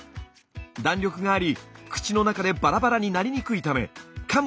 弾力があり口の中でバラバラになりにくいためかむ